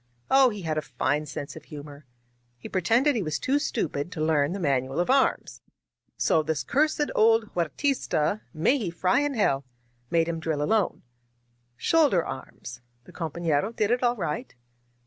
Oh! he had a fine sense of humor. He pretended he was too stupid to learn the manual of arms. So this cursed old Huertista — (may he fry in hell!) — ^made him drill alone. " ^Shoulder arms !' The compa^iero did it all right.